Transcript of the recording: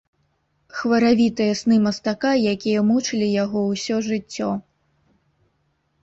Хваравітыя сны мастака, якія мучылі яго ўсё жыццё.